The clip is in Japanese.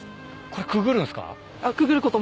これくぐるんすか？